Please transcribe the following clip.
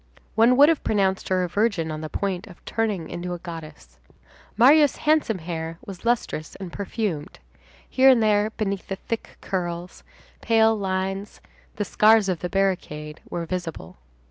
One would have pronounced her a virgin on the point of turning into a goddess. Marius' handsome hair was lustrous and perfumed; here and there, beneath the thick curls, pale lines—the scars of the barricade—were visible.